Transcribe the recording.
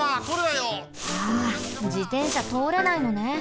あ自転車とおれないのね。